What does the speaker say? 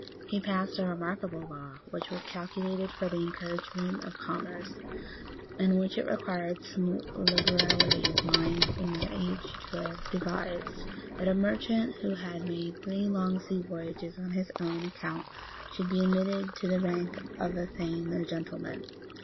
He passed a remarkable law, which was calculated for the encouragement of commerce, and which it required some liberality of mind in that age to have devised that a merchant, who had made three long sea voyages on his own account, should be admitted to the rank of a thane or gentleman.